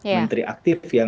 menteri aktif yang